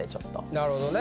なるほどね。